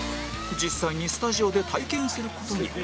実際にスタジオで体験する事に